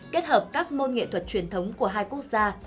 kết hợp các môn nghệ thuật truyền thống của hai quốc gia